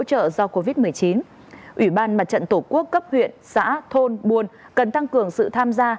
trợ do cô viết một mươi chín ủy ban mặt trận tổ quốc cấp huyện xã thôn buồn cần tăng cường sự tham gia